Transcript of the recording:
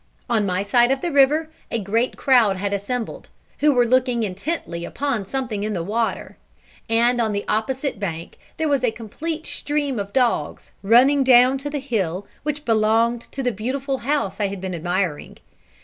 On my side of the river a great crowd had assembled, who were looking intently upon something in the water; and on the opposite bank there was a complete stream of dogs, running down to the hill which belonged to the beautiful house I had been admiring.